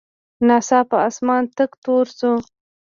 ناڅاپه اسمان تک تور شو.